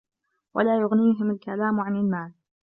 وَلَا يُغْنِيهِمْ الْكَلَامُ عَنْ الْمَالِ